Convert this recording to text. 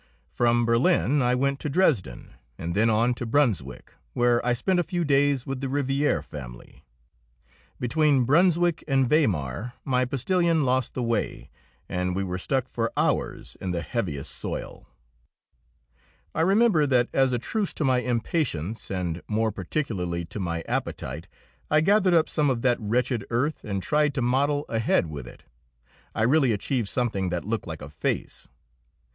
From Berlin I went to Dresden, and then on to Brunswick, where I spent a few days with the Rivière family. Between Brunswick and Weimar my postilion lost the way, and we were stuck for hours in the heaviest soil. I remember that as a truce to my impatience and more particularly to my appetite I gathered up some of that wretched earth and tried to model a head with it; I really achieved something that looked like a face.